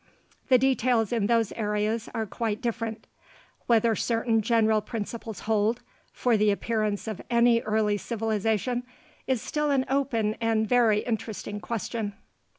The details in those areas are quite different. Whether certain general principles hold, for the appearance of any early civilization, is still an open and very interesting question.